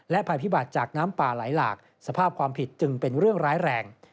ภัยพิบัติจากน้ำป่าไหลหลากสภาพความผิดจึงเป็นเรื่องร้ายแรง